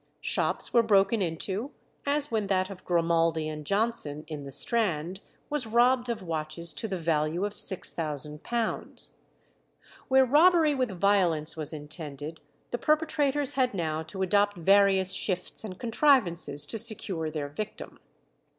Shops were broken into, as when that of Grimaldi and Johnson, in the Strand, was robbed of watches to the value of £6000. Where robbery with violence was intended, the perpetrators had now to adopt various shifts and contrivances to secure their victim.